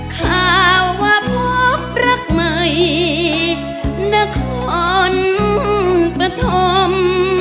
ข้าว่าพวกรักใหม่นครปธม